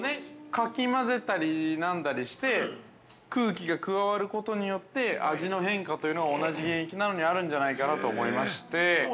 ◆かき混ぜたりなんだりして、空気が加わることによって、味の変化というのは同じ原液なのにあるんじゃないかなと思いまして。